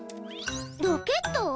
ロケット？